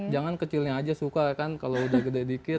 jangan kecilnya aja suka kan kalau udah gede dikit